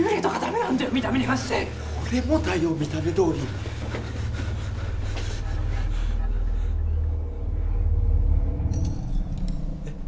見た目に反して俺もだよ見た目どおりへっ？